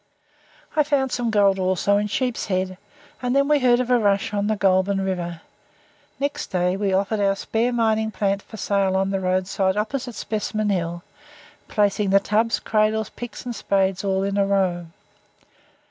I found some gold also in Sheep's Head, and then we heard of a rush on the Goulburn River. Next day we offered our spare mining plant for sale on the roadside opposite Specimen Hill, placing the tubs, cradles, picks and spades all in a row.